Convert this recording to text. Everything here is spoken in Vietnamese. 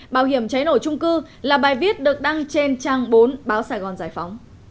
bảo hiểm cháy nổ trung cư là bài viết được đăng trên trang bốn báo sài gòn giải phóng